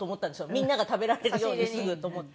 みんなが食べられるようにすぐと思って。